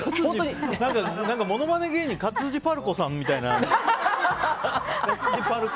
何かものまね芸人勝地パルコさんみたいな。